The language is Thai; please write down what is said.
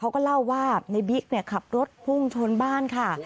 เขาก็เล่าว่าในบิ๊กขับรถพุ่งชนบ้านค่ะ